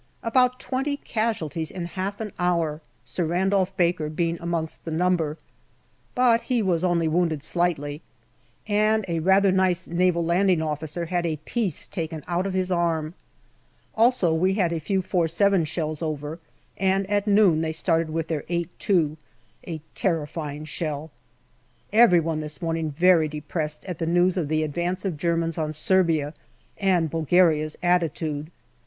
About twenty casualties in half an hour, Sir Randolph Baker being amongst the number, but he was only wounded slightly ; and a rather nice Naval Landing Officer had a piece taken out of his arm. Also we had a few 47 shells over, and at noon they started with their 8*2 a terrifying shell. Every one this morning very depressed at the news of the advance of Germans on Serbia and Bulgaria's attitude.